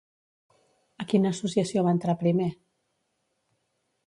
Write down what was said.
A quina associació va entrar primer?